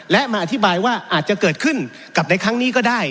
และมาอธิบายว่าอาจจะเกิดขึ้นกับในครั้งนี้ก็ได้